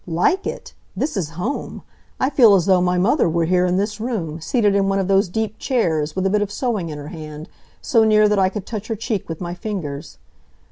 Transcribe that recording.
"Like it! This is home. I feel as though my mother were here in this room, seated in one of those deep chairs, with a bit of sewing in her hand; so near that I could touch her cheek with my fingers."